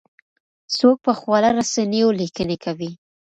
څوک په خواله رسنیو لیکنې کوي؟